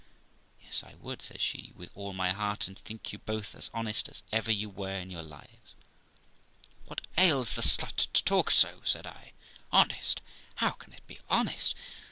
'Yes, I would', says she, 'with all my heart, and think you both as honest as ever you were in your lives,' 'What ails the slut to talk so?' said I. 'Honest! How can it be honest?'